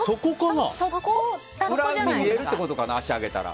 見えるってことかな足、上げたら。